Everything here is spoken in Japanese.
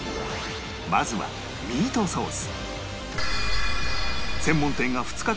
まずはミートソース